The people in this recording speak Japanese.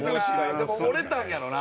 でも折れたんやろな。